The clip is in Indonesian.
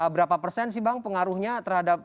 berapa persen sih bang pengaruhnya terhadap